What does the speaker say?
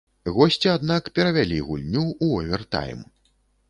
Госці аднак перавялі гульню ў овертайм.